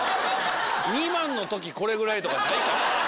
２万のときこれぐらいとかないから。